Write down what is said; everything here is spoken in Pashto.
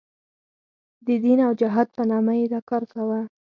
د دین او جهاد په نامه یې دا کار کاوه.